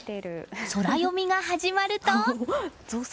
ソラよみが始まると。